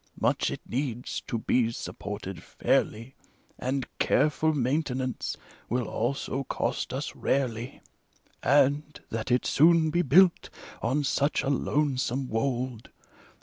Much it needs, to be supported fairly, And careful maintenance will also cost us rarely : And, that it soon be built, on such a lonesome wold.